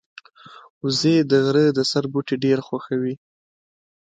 وزې د غره د سر بوټي ډېر خوښوي